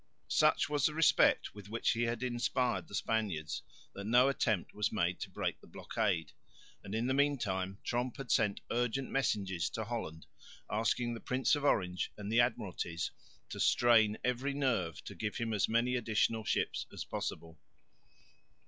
Such was the respect with which he had inspired the Spaniards, that no attempt was made to break the blockade; and in the meantime Tromp had sent urgent messages to Holland asking the Prince of Orange and the admiralties to strain every nerve to give him as many additional ships as possible.